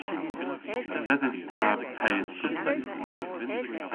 A vedhydh ta peys pub seythen?